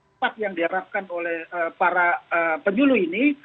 nah respon yang diharapkan oleh para penyuluh ini